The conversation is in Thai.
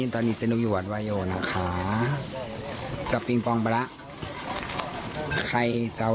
แต่ก็วัดดุ้งเอาเนาะ